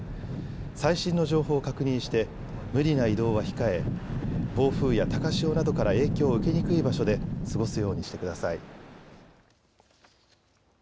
最新の情報を確認して無理な移動は控え暴風や高潮などから影響を受けにくい場所で過ごすようにしてください。